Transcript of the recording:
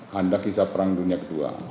handak sisa perang dunia ke dua